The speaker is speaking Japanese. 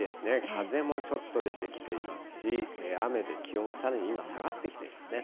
風もちょっと出てきていますし、雨で気温がさらに今、下がってきていますね。